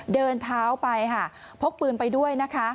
เดินเท้าไปค่ะพกปืนไปด้วยนะคะ